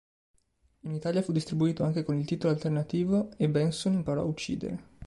In Italia fu distribuito anche con il titolo alternativo "...e Benson imparò ad uccidere".